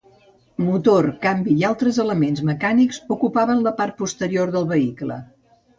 Motor, canvi i altres elements mecànics ocupaven la part posterior del vehicle.